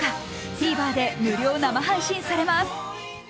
ＴＶｅｒで無料生配信されます。